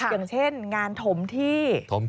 อย่างเช่นงานถมที่